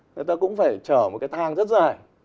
người ta cũng phải chở một cái thang rất dài